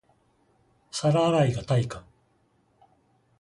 皿洗いが対価